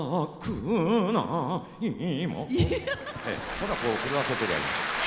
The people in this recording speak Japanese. ただこう震わせてれりゃいいんです。